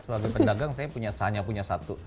sebagai pedagang saya punya hanya punya satu